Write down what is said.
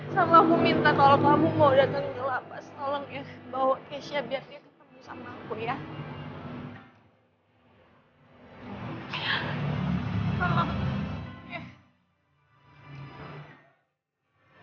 sama aku minta kalau kamu mau datang ke lapas tolong bawa keisha biar dia ketemu sama aku ya